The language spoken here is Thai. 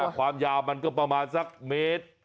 ความยาวมันก็ประมาณสักเมตร